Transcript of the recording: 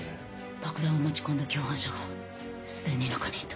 爆弾を持ち込んだ共犯者が既に中にいた。